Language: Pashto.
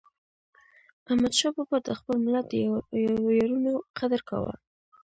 احمدشاه بابا د خپل ملت د ویاړونو قدر کاوه.